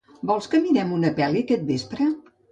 Vols que mirem una pel·li aquest vespre?